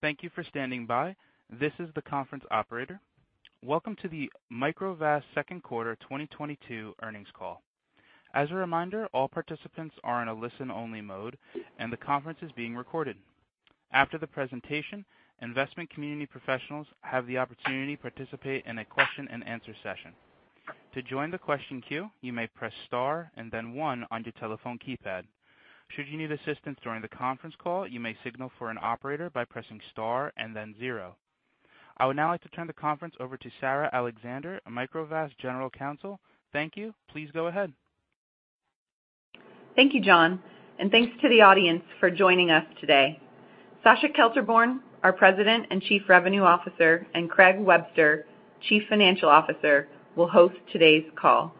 Thank you for standing by. This is the conference operator. Welcome to the Microvast second quarter 2022 earnings call. As a reminder, all participants are in a listen-only mode, and the conference is being recorded. After the presentation, investment community professionals have the opportunity to participate in a question and answer session. To join the question queue, you may press star and then one on your telephone keypad. Should you need assistance during the conference call, you may signal for an operator by pressing star and then zero. I would now like to turn the conference over to Sarah Alexander, Microvast General Counsel. Thank you. Please go ahead. Thank you, John, and thanks to the audience for joining us today. Sascha Kelterborn, our President and Chief Revenue Officer, and Craig Webster, Chief Financial Officer, will host today's call.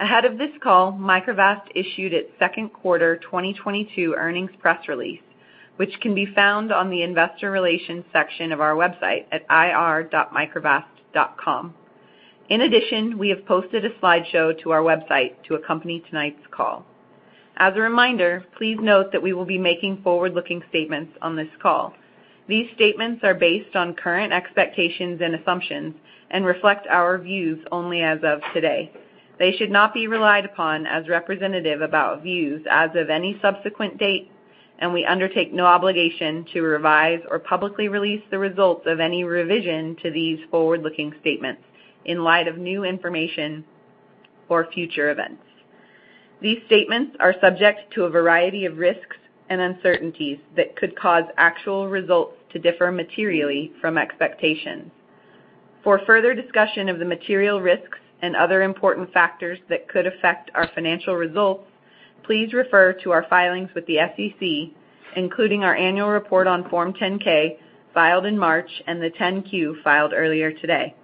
Ahead of this call, Microvast issued its second quarter 2022 earnings press release, which can be found on the investor relations section of our website at ir.microvast.com. In addition, we have posted a slideshow to our website to accompany tonight's call. As a reminder, please note that we will be making forward-looking statements on this call. These statements are based on current expectations and assumptions and reflect our views only as of today. They should not be relied upon as representative about views as of any subsequent date, and we undertake no obligation to revise or publicly release the results of any revision to these forward-looking statements in light of new information or future events. These statements are subject to a variety of risks and uncertainties that could cause actual results to differ materially from expectations. For further discussion of the material risks and other important factors that could affect our financial results, please refer to our filings with the SEC, including our annual report on Form 10-K filed in March and the 10-Q filed earlier today.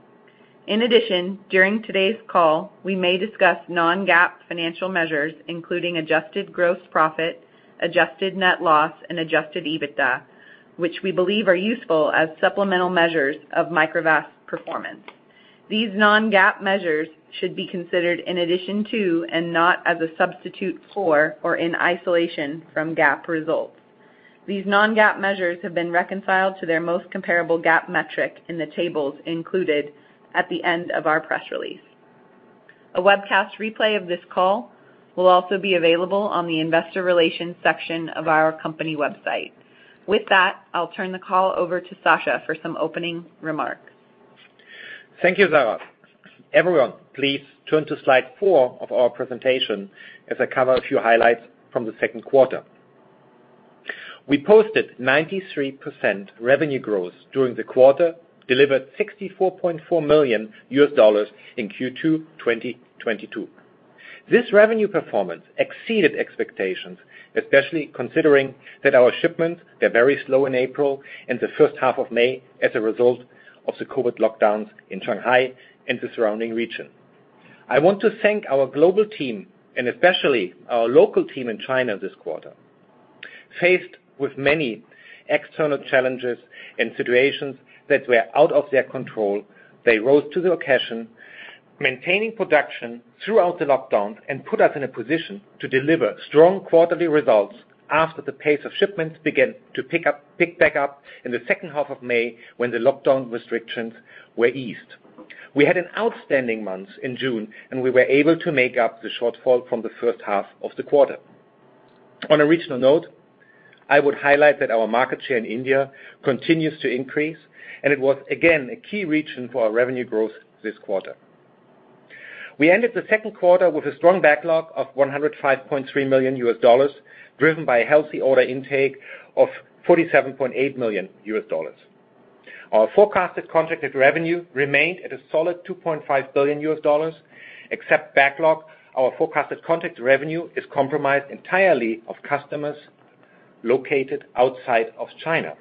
In addition, during today's call, we may discuss non-GAAP financial measures, including adjusted gross profit, adjusted net loss, and adjusted EBITDA, which we believe are useful as supplemental measures of Microvast performance. These non-GAAP measures should be considered in addition to and not as a substitute for or in isolation from GAAP results. These non-GAAP measures have been reconciled to their most comparable GAAP metric in the tables included at the end of our press release. A webcast replay of this call will also be available on the investor relations section of our company website. With that, I'll turn the call over to Sascha for some opening remarks. Thank you, Sarah. Everyone, please turn to slide four of our presentation as I cover a few highlights from the second quarter. We posted 93% revenue growth during the quarter, delivered $64.4 million in Q2 2022. This revenue performance exceeded expectations, especially considering that our shipments were very slow in April and the first half of May as a result of the COVID lockdowns in Shanghai and the surrounding region. I want to thank our global team and especially our local team in China this quarter. Faced with many external challenges and situations that were out of their control, they rose to the occasion, maintaining production throughout the lockdowns and put us in a position to deliver strong quarterly results after the pace of shipments began to pick back up in the second half of May, when the lockdown restrictions were eased. We had an outstanding month in June, and we were able to make up the shortfall from the first half of the quarter. On a regional note, I would highlight that our market share in India continues to increase, and it was again a key region for our revenue growth this quarter. We ended the second quarter with a strong backlog of $105.3 million, driven by a healthy order intake of $47.8 million. Our forecasted contracted revenue remained at a solid $2.5 billion. Excluding backlog, our forecasted contract revenue is comprised entirely of customers located outside of China.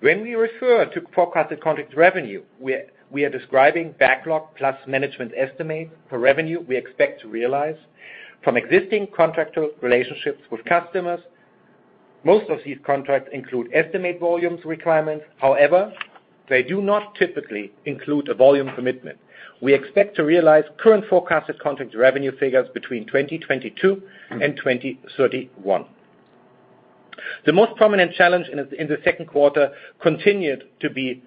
When we refer to forecasted contract revenue, we are describing backlog plus management estimate for revenue we expect to realize from existing contractual relationships with customers. Most of these contracts include estimated volume requirements. However, they do not typically include a volume commitment. We expect to realize current forecasted contract revenue figures between 2022 and 2031. The most prominent challenge in the second quarter continued to be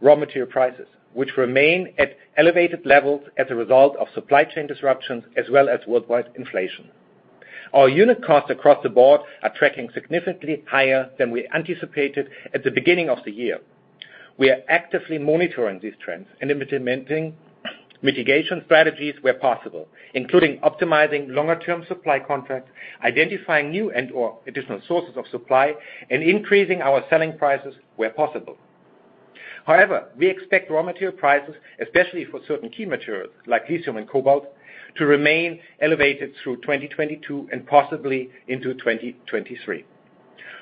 raw material prices, which remain at elevated levels as a result of supply chain disruptions as well as worldwide inflation. Our unit costs across the board are tracking significantly higher than we anticipated at the beginning of the year. We are actively monitoring these trends and implementing mitigation strategies where possible, including optimizing longer-term supply contracts, identifying new and/or additional sources of supply, and increasing our selling prices where possible. However, we expect raw material prices, especially for certain key materials like lithium and cobalt, to remain elevated through 2022 and possibly into 2023.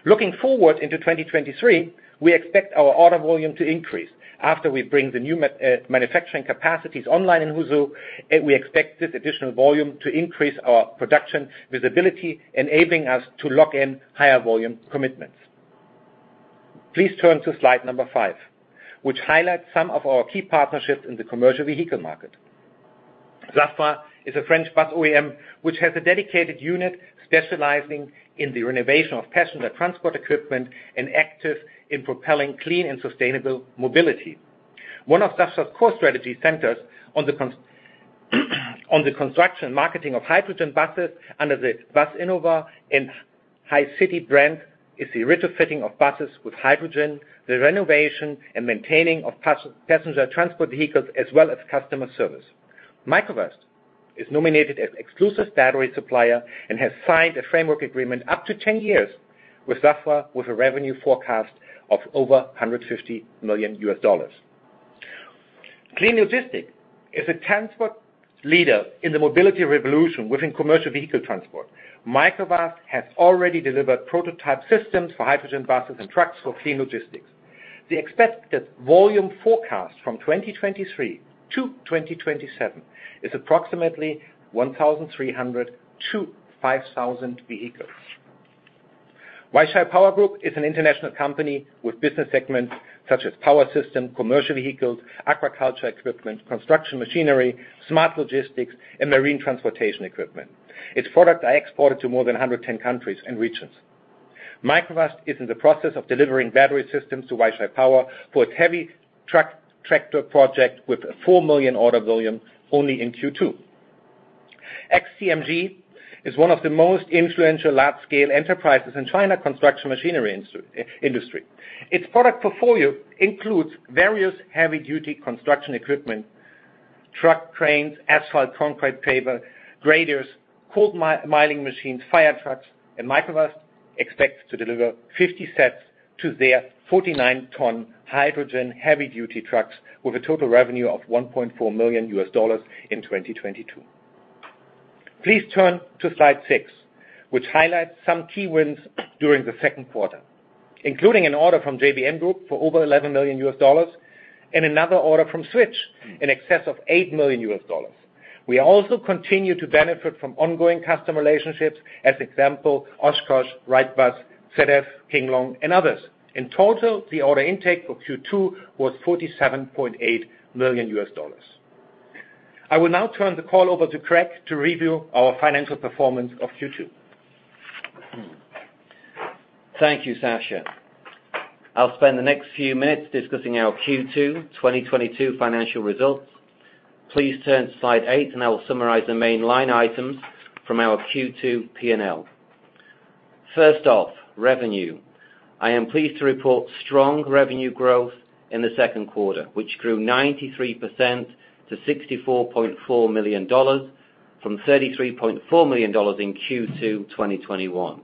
Looking forward into 2023, we expect our order volume to increase after we bring the new manufacturing capacities online in Huzhou, and we expect this additional volume to increase our production visibility, enabling us to lock in higher volume commitments. Please turn to slide number five, which highlights some of our key partnerships in the commercial vehicle market. SAFRA is a French bus OEM which has a dedicated unit specializing in the renovation of passenger transport equipment and active in propelling clean and sustainable mobility. One of SAFRA's core strategy centers on the construction marketing of hydrogen buses under the Businova and Hycity brand is the retrofitting of buses with hydrogen, the renovation, and maintaining of passenger transport vehicles, as well as customer service. Microvast is nominated as exclusive battery supplier and has signed a framework agreement up to 10 years with SAFRA, with a revenue forecast of over $150 million. Clean Logistics is a transport leader in the mobility revolution within commercial vehicle transport. Microvast has already delivered prototype systems for hydrogen buses and trucks for Clean Logistics. The expected volume forecast from 2023 to 2027 is approximately 1,300-5,000 vehicles. Weichai Power Group is an international company with business segments such as power system, commercial vehicles, agriculture equipment, construction machinery, smart logistics, and marine transportation equipment. Its products are exported to more than 110 countries and regions. Microvast is in the process of delivering battery systems to Weichai Power for its heavy truck tractor project with a $4 million order volume only in Q2. XCMG is one of the most influential large-scale enterprises in China construction machinery industry. Its product portfolio includes various heavy-duty construction equipment, truck cranes, asphalt, concrete paver, graders, cold milling machines, fire trucks, and Microvast expects to deliver 50 sets to their 49-ton hydrogen heavy-duty trucks with a total revenue of $1.4 million in 2022. Please turn to slide six, which highlights some key wins during the second quarter, including an order from JBM Group for over $11 million and another order from Switch Mobility in excess of $8 million. We also continue to benefit from ongoing customer relationships, for example, Oshkosh, Wrightbus, ZF, King Long, and others. In total, the order intake for Q2 was $47.8 million. I will now turn the call over to Craig to review our financial performance of Q2. Thank you, Sascha. I'll spend the next few minutes discussing our Q2 2022 financial results. Please turn to slide eight, and I will summarize the main line items from our Q2 P&L. First off, revenue. I am pleased to report strong revenue growth in the second quarter, which grew 93% to $64.4 million from $33.4 million in Q2 2021.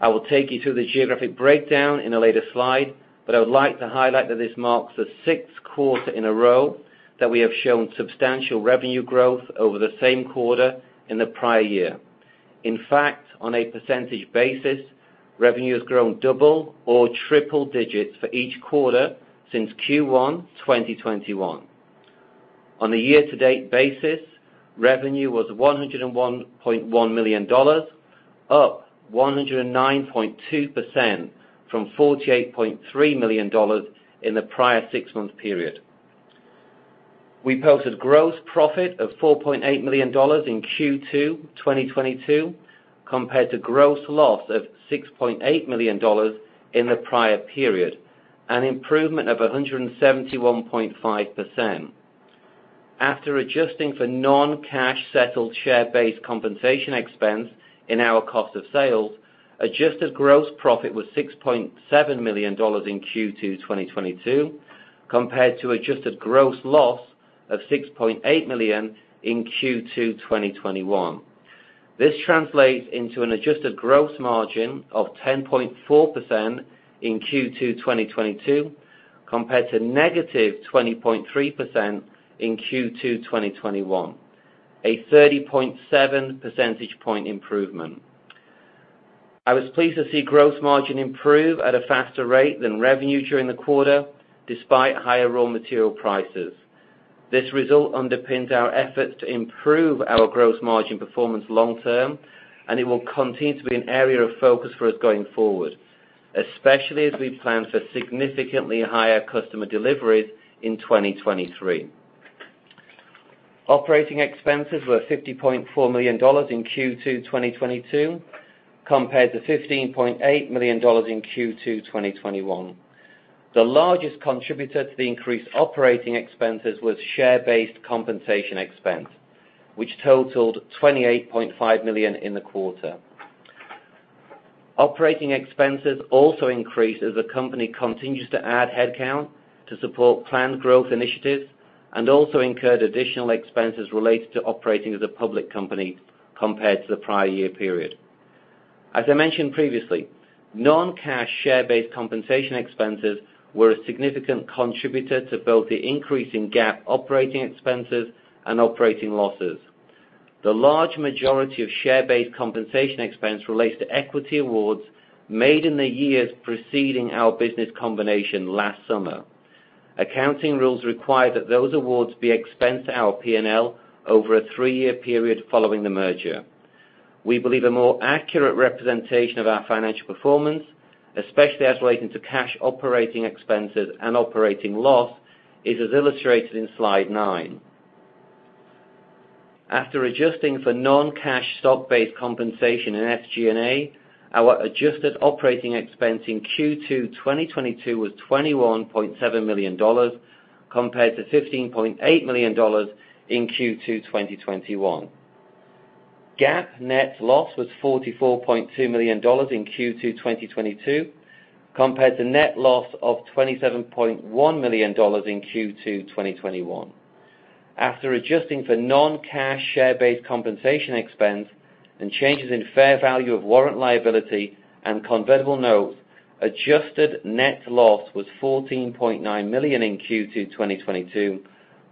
I will take you through the geographic breakdown in a later slide, but I would like to highlight that this marks the sixth quarter in a row that we have shown substantial revenue growth over the same quarter in the prior year. In fact, on a percentage basis, revenue has grown double or triple digits for each quarter since Q1 2021. On a year-to-date basis, revenue was $101.1 million, up 109.2% from $48.3 million in the prior six-month period. We posted gross profit of $4.8 million in Q2 2022, compared to gross loss of $6.8 million in the prior period, an improvement of 171.5%. After adjusting for non-cash settled share-based compensation expense in our cost of sales, adjusted gross profit was $6.7 million in Q2 2022, compared to adjusted gross loss of $6.8 million in Q2 2021. This translates into an adjusted gross margin of 10.4% in Q2 2022, compared to -20.3% in Q2 2021, a 30.7 percentage point improvement. I was pleased to see gross margin improve at a faster rate than revenue during the quarter, despite higher raw material prices. This result underpins our efforts to improve our gross margin performance long term, and it will continue to be an area of focus for us going forward, especially as we plan for significantly higher customer deliveries in 2023. Operating expenses were $50.4 million in Q2 2022, compared to $15.8 million in Q2 2021. The largest contributor to the increased operating expenses was share-based compensation expense, which totaled $28.5 million in the quarter. Operating expenses also increased as the company continues to add headcount to support planned growth initiatives and also incurred additional expenses related to operating as a public company compared to the prior year period. As I mentioned previously, non-cash share-based compensation expenses were a significant contributor to both the increase in GAAP operating expenses and operating losses. The large majority of share-based compensation expense relates to equity awards made in the years preceding our business combination last summer. Accounting rules require that those awards be expensed to our P&L over a three-year period following the merger. We believe a more accurate representation of our financial performance, especially as relating to cash operating expenses and operating loss, is as illustrated in slide nine. After adjusting for non-cash stock-based compensation in SG&A, our adjusted operating expense in Q2 2022 was $21.7 million, compared to $15.8 million in Q2 2021. GAAP net loss was $44.2 million in Q2 2022, compared to net loss of $27.1 million in Q2 2021. After adjusting for non-cash share-based compensation expense and changes in fair value of warrant liability and convertible notes, adjusted net loss was $14.9 million in Q2 2022,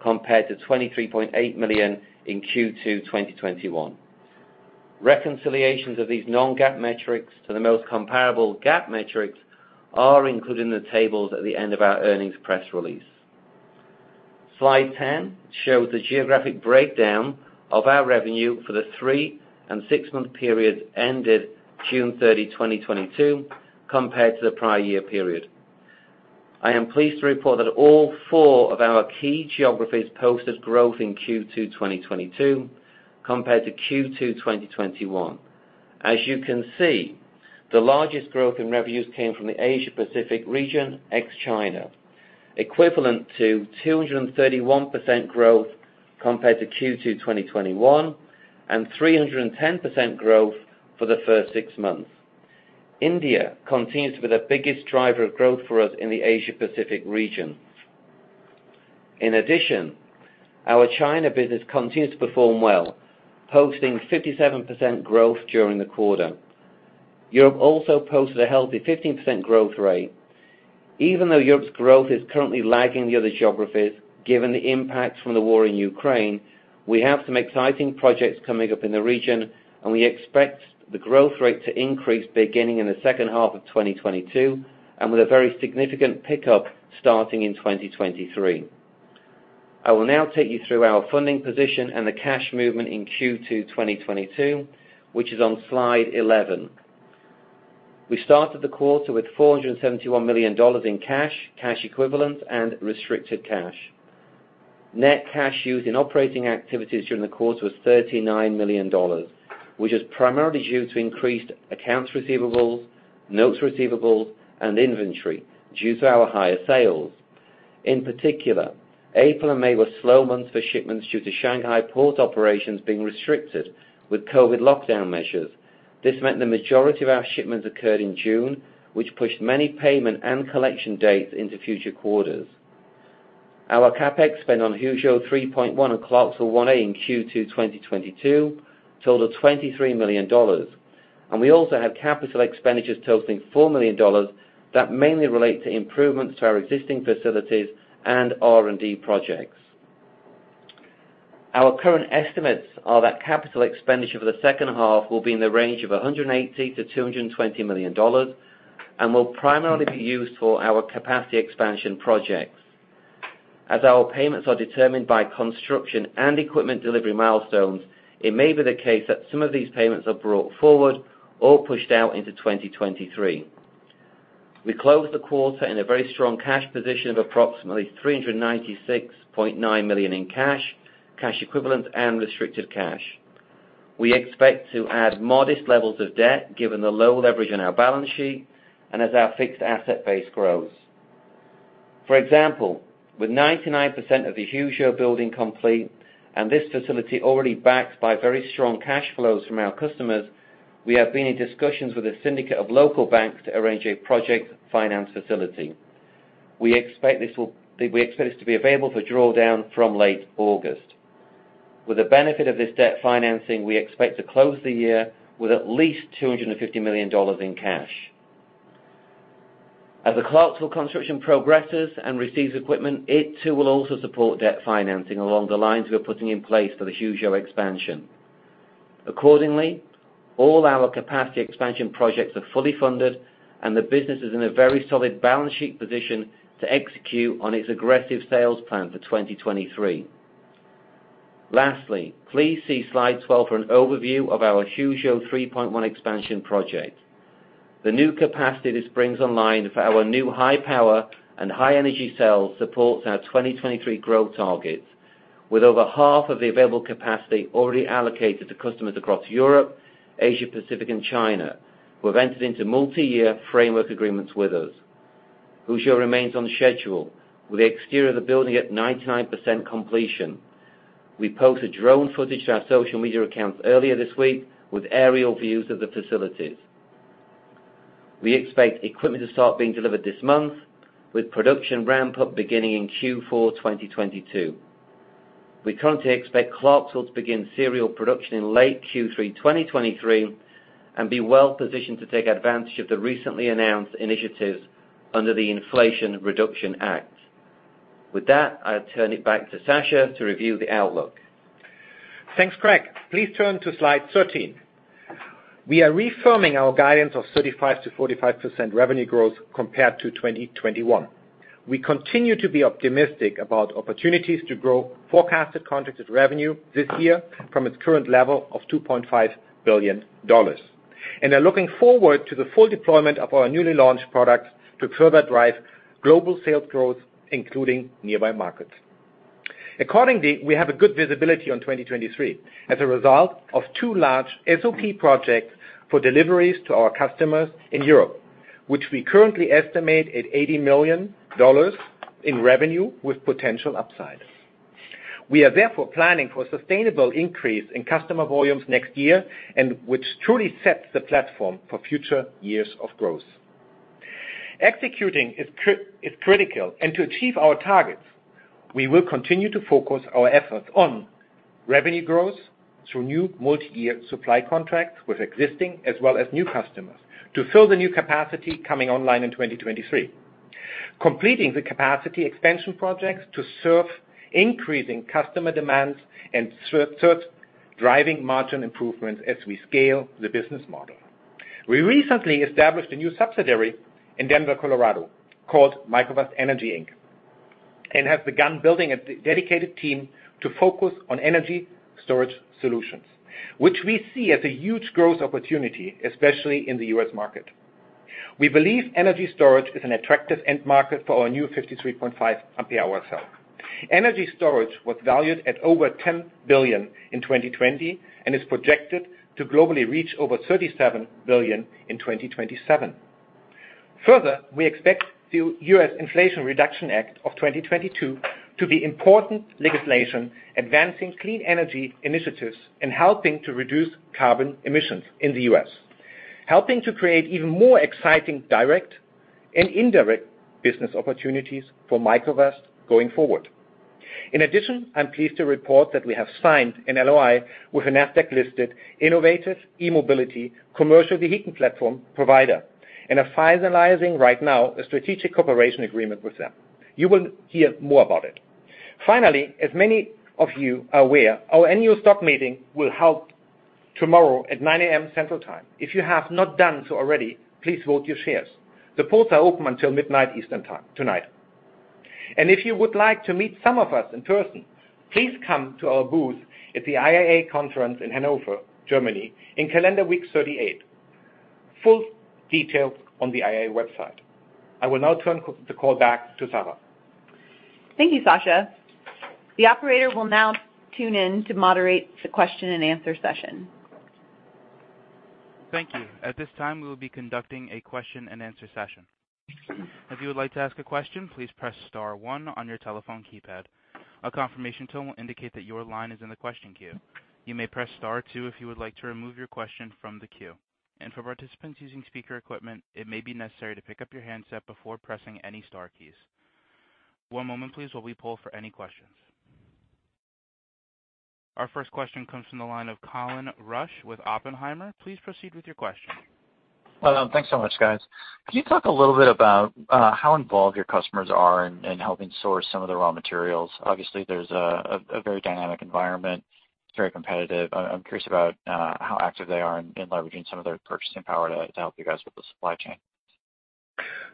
compared to $23.8 million in Q2 2021. Reconciliations of these non-GAAP metrics to the most comparable GAAP metrics are included in the tables at the end of our earnings press release. Slide 10 shows the geographic breakdown of our revenue for the three- and six-month periods ended June 30, 2022, compared to the prior year period. I am pleased to report that all four of our key geographies posted growth in Q2 2022 compared to Q2 2021. As you can see, the largest growth in revenues came from the Asia Pacific region, ex-China, equivalent to 231% growth compared to Q2 2021 and 310% growth for the first six months. India continues to be the biggest driver of growth for us in the Asia Pacific region. In addition, our China business continues to perform well, posting 57% growth during the quarter. Europe also posted a healthy 15% growth rate. Even though Europe's growth is currently lagging the other geographies, given the impacts from the war in Ukraine, we have some exciting projects coming up in the region, and we expect the growth rate to increase beginning in the second half of 2022, and with a very significant pickup starting in 2023. I will now take you through our funding position and the cash movement in Q2 2022, which is on slide 11. We started the quarter with $471 million in cash equivalents, and restricted cash. Net cash used in operating activities during the quarter was $39 million, which is primarily due to increased accounts receivables, notes receivables, and inventory due to our higher sales. In particular, April and May were slow months for shipments due to Shanghai port operations being restricted with COVID lockdown measures. This meant the majority of our shipments occurred in June, which pushed many payment and collection dates into future quarters. Our CapEx spend on Huzhou 3.1 and Clarksville 1A in Q2 2022 totaled $23 million, and we also have capital expenditures totaling $4 million that mainly relate to improvements to our existing facilities and R&D projects. Our current estimates are that capital expenditure for the second half will be in the range of $180 million-$220 million and will primarily be used for our capacity expansion projects. As our payments are determined by construction and equipment delivery milestones, it may be the case that some of these payments are brought forward or pushed out into 2023. We closed the quarter in a very strong cash position of approximately $396.9 million in cash equivalents, and restricted cash. We expect to add modest levels of debt, given the low leverage on our balance sheet and as our fixed asset base grows. For example, with 99% of the Huzhou building complete and this facility already backed by very strong cash flows from our customers, we have been in discussions with a syndicate of local banks to arrange a project finance facility. We expect this to be available for drawdown from late August. With the benefit of this debt financing, we expect to close the year with at least $250 million in cash. As the Clarksville construction progresses and receives equipment, it, too, will also support debt financing along the lines we are putting in place for the Huzhou expansion. Accordingly, all our capacity expansion projects are fully funded, and the business is in a very solid balance sheet position to execute on its aggressive sales plan for 2023. Lastly, please see slide 12 for an overview of our Huzhou 3.1 expansion project. The new capacity this brings online for our new high-power and high-energy cells supports our 2023 growth targets, with over half of the available capacity already allocated to customers across Europe, Asia, Pacific, and China, who have entered into multiyear framework agreements with us. Huzhou remains on schedule, with the exterior of the building at 99% completion. We posted drone footage to our social media accounts earlier this week with aerial views of the facilities. We expect equipment to start being delivered this month, with production ramp up beginning in Q4 2022. We currently expect Clarksville to begin serial production in late Q3 2023 and be well-positioned to take advantage of the recently announced initiatives under the Inflation Reduction Act. With that, I'll turn it back to Sascha to review the outlook. Thanks, Craig. Please turn to slide 13. We are refirming our guidance of 35%-45% revenue growth compared to 2021. We continue to be optimistic about opportunities to grow forecasted contracted revenue this year from its current level of $2.5 billion, and are looking forward to the full deployment of our newly launched products to further drive global sales growth, including nearby markets. Accordingly, we have a good visibility on 2023 as a result of two large SOP projects for deliveries to our customers in Europe, which we currently estimate at $80 million in revenue with potential upside. We are therefore planning for sustainable increase in customer volumes next year and which truly sets the platform for future years of growth. Executing is critical, and to achieve our targets, we will continue to focus our efforts on revenue growth through new multiyear supply contracts with existing as well as new customers to fill the new capacity coming online in 2023. Completing the capacity expansion projects to serve increasing customer demands and driving margin improvements as we scale the business model. We recently established a new subsidiary in Denver, Colorado, called Microvast Energy Inc., and have begun building a dedicated team to focus on energy storage solutions, which we see as a huge growth opportunity, especially in the U.S. market. We believe energy storage is an attractive end market for our new 53.5 Ah cell. Energy storage was valued at over $10 billion in 2020 and is projected to globally reach over $37 billion in 2027. Further, we expect the Inflation Reduction Act of 2022 to be important legislation advancing clean energy initiatives and helping to reduce carbon emissions in the U.S., helping to create even more exciting direct and indirect business opportunities for Microvast going forward. In addition, I'm pleased to report that we have signed an LOI with a Nasdaq-listed innovative e-mobility commercial vehicle platform provider and are finalizing right now a strategic cooperation agreement with them. You will hear more about it. Finally, as many of you are aware, our annual stockholders meeting will be held tomorrow at 9 A.M. Central Time. If you have not done so already, please vote your shares. The polls are open until midnight Eastern Time tonight. If you would like to meet some of us in person, please come to our booth at the IAA conference in Hanover, Germany in calendar week 38. Full details on the IAA website. I will now turn the call back to Sarah. Thank you, Sascha. The operator will now tune in to moderate the question-and-answer session. Thank you. At this time, we will be conducting a question-and-answer session. If you would like to ask a question, please press star one on your telephone keypad. A confirmation tone will indicate that your line is in the question queue. You may press star two if you would like to remove your question from the queue. For participants using speaker equipment, it may be necessary to pick up your handset before pressing any star keys. One moment please while we poll for any questions. Our first question comes from the line of Colin Rusch with Oppenheimer. Please proceed with your question. Thanks so much, guys. Can you talk a little bit about how involved your customers are in helping source some of the raw materials? Obviously, there's a very dynamic environment. It's very competitive. I'm curious about how active they are in leveraging some of their purchasing power to help you guys with the supply chain.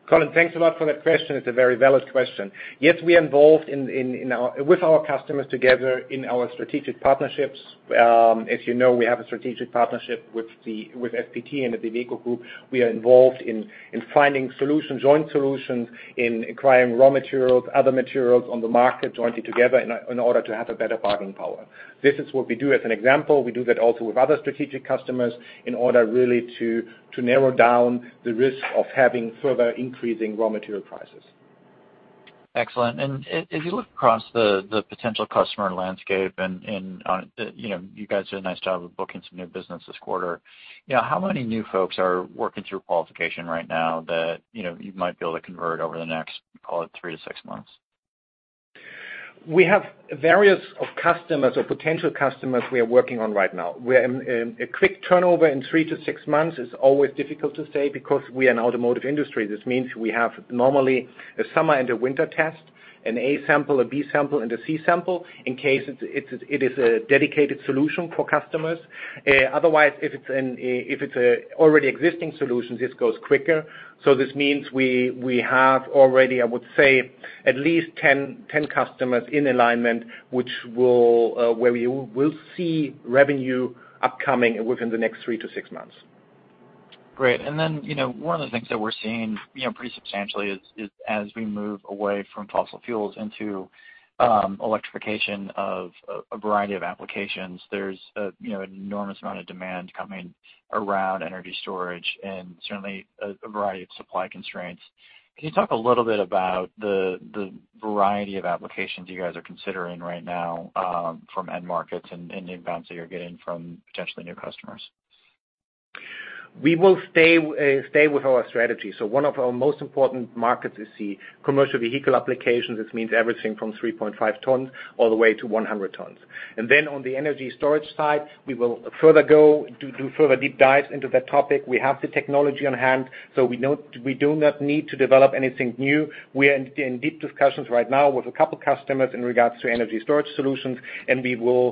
Colin, thanks a lot for that question. It's a very valid question. Yes, we are involved with our customers together in our strategic partnerships. As you know, we have a strategic partnership with FPT and the Iveco Group. We are involved in finding solutions, joint solutions in acquiring raw materials, other materials on the market jointly together in order to have a better bargaining power. This is what we do as an example. We do that also with other strategic customers in order really to narrow down the risk of having further increasing raw material prices. Excellent. As you look across the potential customer landscape and, you know, you guys did a nice job of booking some new business this quarter. You know, how many new folks are working through qualification right now that, you know, you might be able to convert over the next, call it three to six months? We have various of customers or potential customers we are working on right now. We're in a quick turnover in three to six months is always difficult to say because we are an automotive industry. This means we have normally a summer and a winter test, an A sample, a B sample, and a C sample in case it is a dedicated solution for customers. Otherwise, if it's a already existing solution, this goes quicker. This means we have already, I would say, at least 10 customers in alignment which will where we will see revenue upcoming within the next three to six months. Great. Then, you know, one of the things that we're seeing, you know, pretty substantially is as we move away from fossil fuels into electrification of a variety of applications, there's you know, an enormous amount of demand coming around energy storage and certainly a variety of supply constraints. Can you talk a little bit about the variety of applications you guys are considering right now from end markets and the inbound that you're getting from potentially new customers? We will stay with our strategy. One of our most important markets is the commercial vehicle applications. This means everything from 3.5 tons all the way to 100 tons. On the energy storage side, we will further do further deep dives into that topic. We have the technology on hand, so we know we do not need to develop anything new. We are in deep discussions right now with a couple customers in regards to energy storage solutions, and we will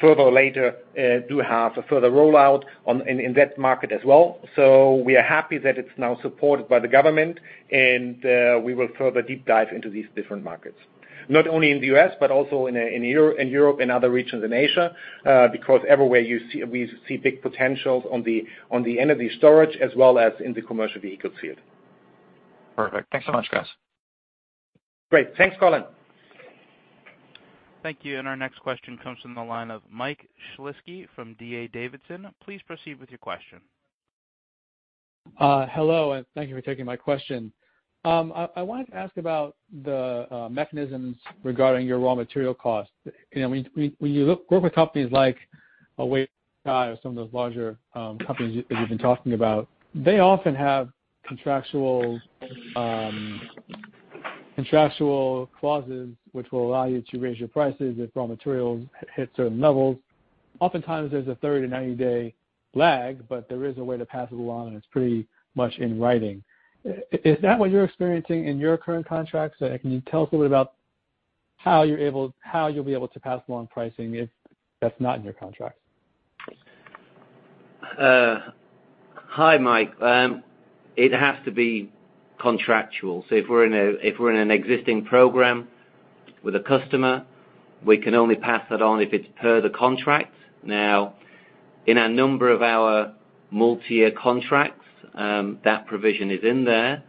further later have a further rollout in that market as well. We are happy that it's now supported by the government, and we will further deep dive into these different markets, not only in the U.S. but also in Europe and other regions in Asia, because everywhere we see big potential in the energy storage as well as in the commercial vehicle field. Perfect. Thanks so much, guys. Great. Thanks, Colin. Thank you. Our next question comes from the line of Mike Shlisky from D.A. Davidson. Please proceed with your question. Hello, and thank you for taking my question. I wanted to ask about the mechanisms regarding your raw material cost. You know, when you work with companies like or some of those larger companies that you've been talking about, they often have contractual clauses which will allow you to raise your prices if raw materials hit certain levels. Oftentimes there's a 30- to 90-day lag, but there is a way to pass it along, and it's pretty much in writing. Is that what you're experiencing in your current contracts? Can you tell us a little bit about how you'll be able to pass along pricing if that's not in your contracts? Hi, Mike. It has to be contractual. If we're in an existing program with a customer, we can only pass that on if it's per the contract. Now, in a number of our multi-year contracts, that provision is in there.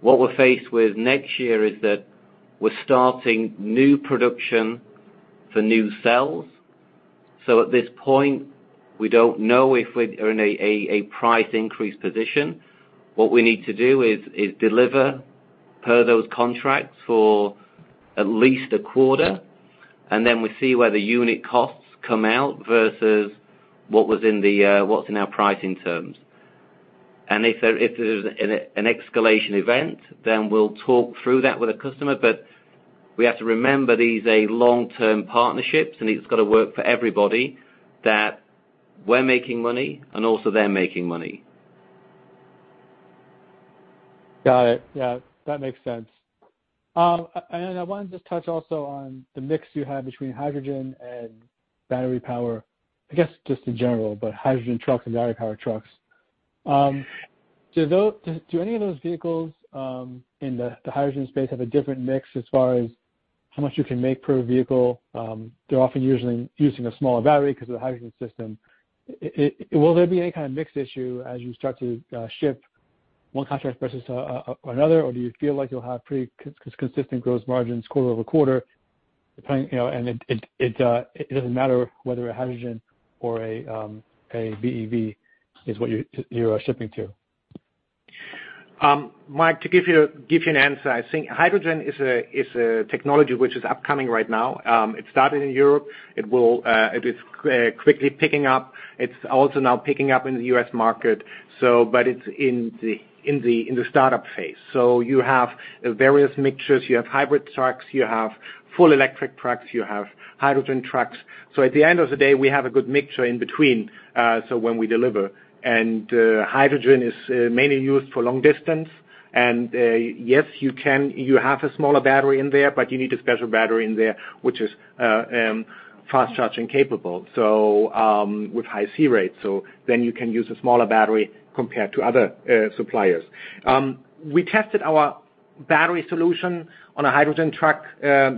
What we're faced with next year is that we're starting new production for new cells. At this point, we don't know if we're in a price increase position. What we need to do is deliver per those contracts for at least a quarter, and then we see where the unit costs come out versus what's in our pricing terms. If there's an escalation event, then we'll talk through that with a customer. We have to remember these are long-term partnerships, and it's gotta work for everybody, that we're making money and also they're making money. Got it. Yeah. That makes sense. I wanted to touch also on the mix you have between hydrogen and battery power, I guess just in general, but hydrogen trucks and battery power trucks. Do any of those vehicles in the hydrogen space have a different mix as far as how much you can make per vehicle? They're often using a smaller battery 'cause of the hydrogen system. Will there be any kind of mix issue as you start to ship one contract versus another? Or do you feel like you'll have pretty consistent gross margins quarter over quarter, depending, you know, and it doesn't matter whether a hydrogen or a BEV is what you're shipping to? Mike, to give you an answer, I think hydrogen is a technology which is upcoming right now. It started in Europe. It is quickly picking up. It's also now picking up in the U.S. market, but it's in the startup phase. You have various mixtures, you have hybrid trucks, you have full electric trucks, you have hydrogen trucks. At the end of the day, we have a good mixture in between when we deliver. Hydrogen is mainly used for long distance. Yes, you can have a smaller battery in there, but you need a special battery in there, which is fast charging capable, with high C-rates. Then you can use a smaller battery compared to other suppliers. We tested our battery solution on a hydrogen truck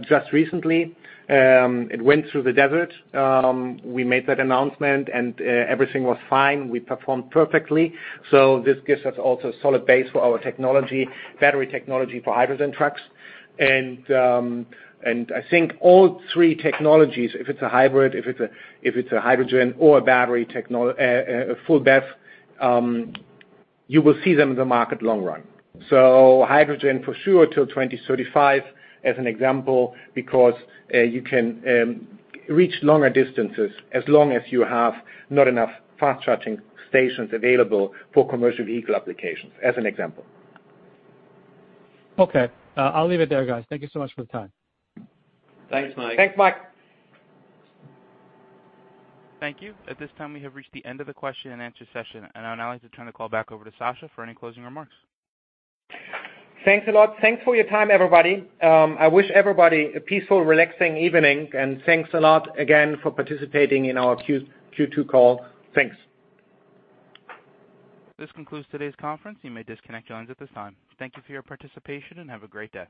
just recently. It went through the desert. We made that announcement, and everything was fine. We performed perfectly. This gives us also a solid base for our technology, battery technology for hydrogen trucks. I think all three technologies, if it's a hybrid, if it's a hydrogen or a full BEV, you will see them in the market long run. Hydrogen for sure till 2035, as an example, because you can reach longer distances as long as you have not enough fast charging stations available for commercial vehicle applications, as an example. Okay. I'll leave it there, guys. Thank you so much for the time. Thanks, Mike. Thanks, Mike. Thank you. At this time, we have reached the end of the question and answer session. I'd now like to turn the call back over to Sascha for any closing remarks. Thanks a lot. Thanks for your time, everybody. I wish everybody a peaceful, relaxing evening. Thanks a lot again for participating in our Q2 call. Thanks. This concludes today's conference. You may disconnect your lines at this time. Thank you for your participation, and have a great day.